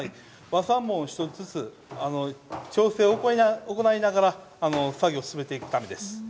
和三盆を１つずつ調整を行いながら作業を進めているんです。